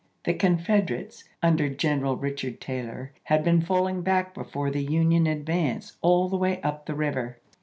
The Confederates, under General Richard Taylor, had been falling back before the Union advance all the way up the river.